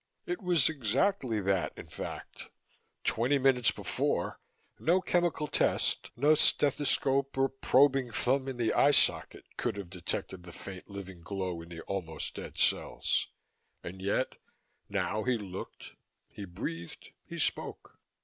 It was exactly that, in fact; twenty minutes before, no chemical test, no stethoscope or probing thumb in the eye socket could have detected the faint living glow in the almost dead cells. And yet now he looked, he breathed, he spoke.